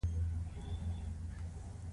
متل دی: خر له بار نه پرېوځي.